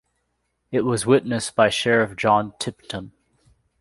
It was witnessed by Sheriff John Tipton.